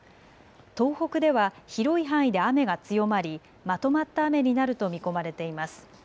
東北では広い範囲で雨が強まりまとまった雨になると見込まれています。